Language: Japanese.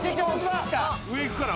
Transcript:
上行くかな？